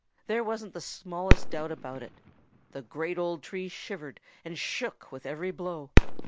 There wasn't the smallest doubt about it. The great old tree shivered and shook with every blow.